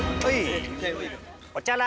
おちゃら。